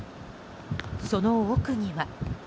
その奥には。